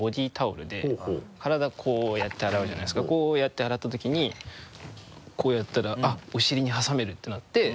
こうやって洗うじゃないですかこうやって洗った時にこうやったらあっお尻に挟めるってなって。